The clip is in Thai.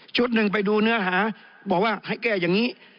หนึ่งไปดูเนื้อหาบอกว่าให้แก้อย่างนี้